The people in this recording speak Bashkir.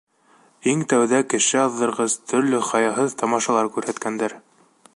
Иң тәүҙә кеше аҙҙырғыс, төрлө хаяһыҙ тамашалар күрһәткәндәр.